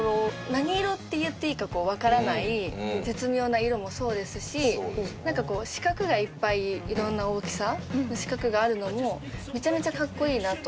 何色って言っていいかわからない絶妙な色もそうですしなんかこう四角がいっぱい色んな大きさの四角があるのもめちゃめちゃかっこいいなと。